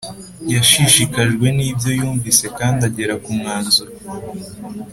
yashishikajwe n ibyo yumvise kandi agera ku mwanzuro